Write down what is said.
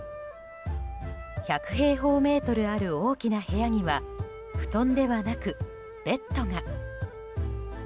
１００平方メートルある大きな部屋には布団ではなくベッドが。